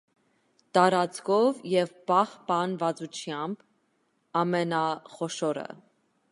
Տարածքով և պահպանվածությամբ՝ ամենախոշորը։